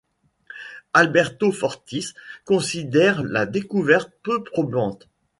Alberto Fortis considère la découverte peu probante.